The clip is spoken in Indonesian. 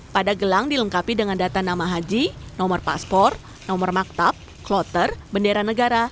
pada gelang dilengkapi dengan data nama haji nomor paspor nomor maktab kloter bendera negara